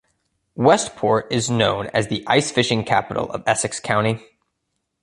Westport is known as the ice fishing capital of Essex County.